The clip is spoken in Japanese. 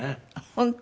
本当？